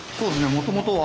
もともとは